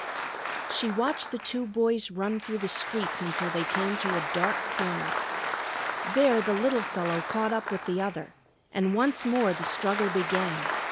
She watched the two boys run through the streets until they came to a dark corner. There the little fellow caught up with the other, and once more the struggle began.